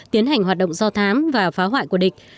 tiến hành hoạt động do thám và phá hoại của địch